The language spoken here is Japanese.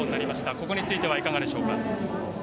ここについてはいかがでしょうか。